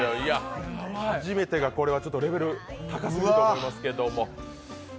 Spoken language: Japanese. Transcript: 初めてがこれは、ちょっとレベル高すぎると思いますけど。